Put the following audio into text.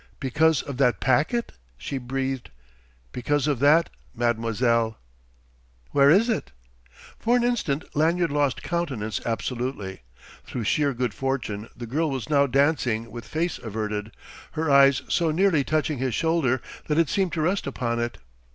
"Because of that packet?" she breathed. "Because of that, mademoiselle." "Where is it?" For an instant Lanyard lost countenance absolutely. Through sheer good fortune the girl was now dancing with face averted, her head so nearly touching his shoulder that it seemed to rest upon it.